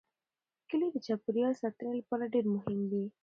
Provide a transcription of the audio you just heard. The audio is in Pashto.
کلي د چاپیریال ساتنې لپاره ډېر مهم دي.